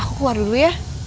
aku keluar dulu ya